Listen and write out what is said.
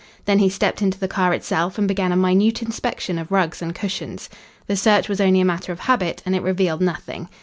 Then he stepped into the car itself and began a minute inspection of rugs and cushions. The search was only a matter of habit, and it revealed nothing.